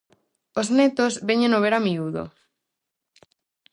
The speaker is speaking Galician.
Os netos véñeno ver a miúdo.